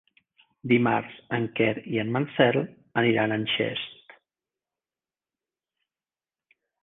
Dimarts en Quer i en Marcel aniran a Xest.